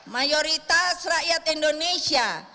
mayoritas rakyat indonesia